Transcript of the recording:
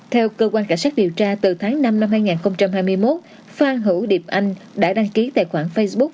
theo cơ quan cảnh sát điều tra từ tháng năm năm hai nghìn hai mươi một phan hữu điệp anh đã đăng ký tài khoản facebook